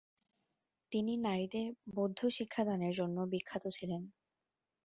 তিনি নারীদের বৌদ্ধ শিক্ষা দানের জন্যও বিখ্যাত ছিলেন।